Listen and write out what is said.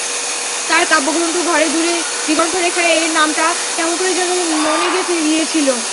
তাঁর কাব্যগ্রন্থ ঘরে দূরে দিগন্তরেখায়-এর নামটা কেমন করে যেন মনে গেঁথে গিয়েছিল।